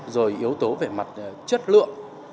rồi yếu tố về mặt chất lượng